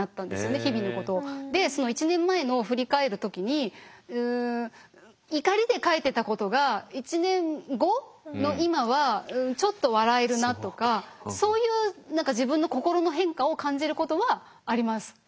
でその１年前のを振り返る時に怒りで書いてたことが１年後の今はちょっと笑えるなとかそういう何か自分の心の変化を感じることはあります。